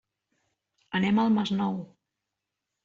Anem al Masnou.